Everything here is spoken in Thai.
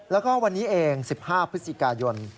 แล้วก็วันนี้เอง๑๕พฤศจิกายน